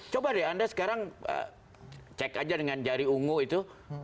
coba deh anda sekarang cek aja dengan jari ungu itu